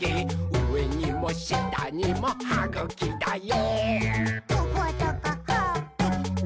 うえにもしたにもはぐきだよ！」